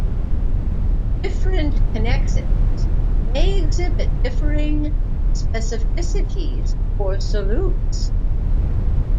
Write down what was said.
Different connexins may exhibit differing specificities for solutes.